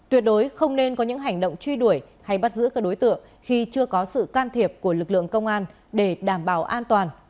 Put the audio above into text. tuyệt đối không nên có những hành động truy đuổi hay bắt giữ các đối tượng khi chưa có sự can thiệp của lực lượng công an để đảm bảo an toàn